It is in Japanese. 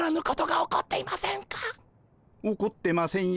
起こってませんよ。